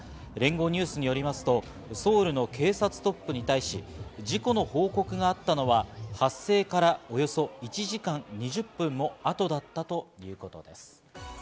聯合ニュースによりますと、ソウルの警察トップに対し、事故の報告があったのは発生からおよそ１時間２０分も後だったということです。